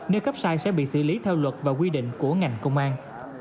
nếu cấp sai sẽ bị xử lý theo luật và quy định của ngành công an